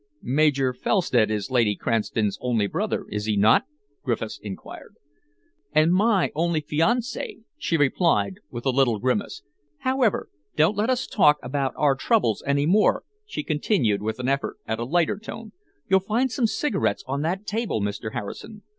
"Major Felstead is Lady Cranston's only brother, is he not?" Griffiths enquired. "And my only fiancé," she replied, with a little grimace. "However, don't let us talk about our troubles any more," she continued, with an effort at a lighter tone. "You'll find some cigarettes on that table, Mr. Harrison.